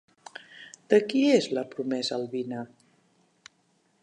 De qui és la promesa Alvina?